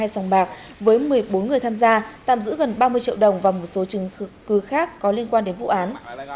hai sòng bạc với một mươi bốn người tham gia tạm giữ gần ba mươi triệu đồng và một số chứng cứ khác có liên quan đến vụ án